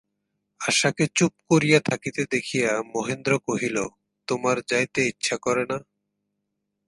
আশাকে চুপ করিয়া থাকিতে দেখিয়া মহেন্দ্র কহিল, তোমার যাইতে ইচ্ছা করে না?